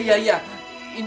ini uangnya dari mana